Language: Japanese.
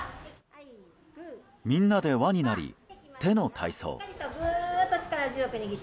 みんなで輪になり、手の体操。